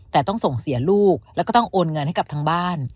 แต่ต้องส่งเสียลูกแล้วก็ต้องโอนเงินให้กับทางบ้าน